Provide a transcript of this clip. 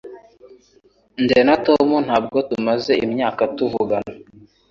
Jye na Tom ntabwo tumaze imyaka tuvugana